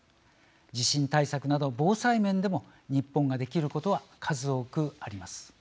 地震対策など防災面でも日本ができることは数多くあります。